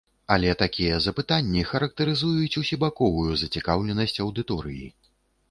Але такія запытанні характарызуюць усебаковую зацікаўленасць аўдыторыі.